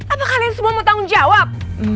atau kalian semua mau tanggung jawab